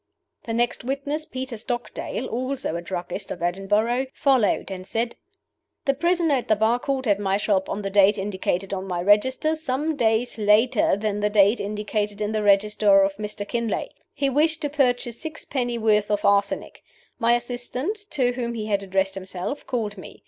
The next witness, Peter Stockdale (also a druggist of Edinburgh), followed, and said: "The prisoner at the bar called at my shop on the date indicated on my register, some days later than the date indicated in the register of Mr. Kinlay. He wished to purchase sixpenny worth of arsenic. My assistant, to whom he had addressed himself, called me.